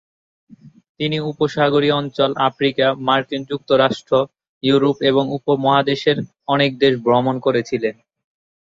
তিনি উপসাগরীয় অঞ্চল, আফ্রিকা, মার্কিন যুক্তরাষ্ট্র, ইউরোপ এবং উপমহাদেশের অনেক দেশ ভ্রমণ করেছিলেন।